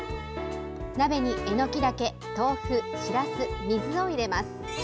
鍋にえのきだけ、豆腐しらす、水を入れます。